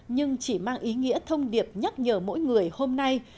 nhưng chỉ mang ý nghĩa thông điệp nhắc nhở mỗi người hôm nay